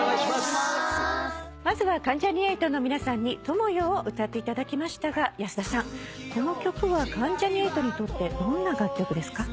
まずは関ジャニ∞の皆さんに『友よ』を歌っていただきましたが安田さんこの曲は関ジャニ∞にとってどんな楽曲ですか？